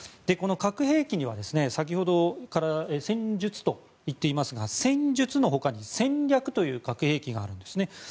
この核兵器には先ほどから戦術といっていますが戦術のほかに戦略という核兵器があるんですね。